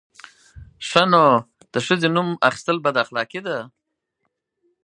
_ښه نو، د ښځې د نوم اخيستل بد اخلاقي ده!